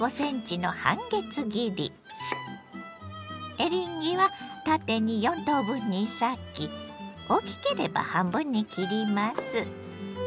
エリンギは縦に４等分に裂き大きければ半分に切ります。